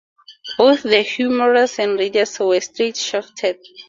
Both the humerus and radius were straight-shafted.